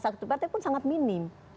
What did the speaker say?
saksi saksi partai pun sangat minim